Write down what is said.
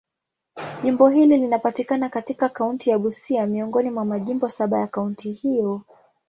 Jimbo hili linapatikana katika kaunti ya Busia, miongoni mwa majimbo saba ya kaunti hiyo.